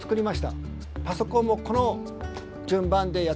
パソコンもこの順番でやっていけばいいと。